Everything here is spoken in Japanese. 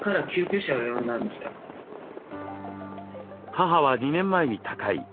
母は２年前に他界。